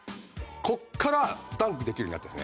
ここからダンクできるようになったんですね。